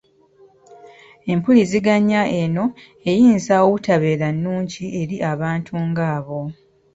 Empuliziganya eno eyinza obutabeera nnungi eri abantu ng’abo.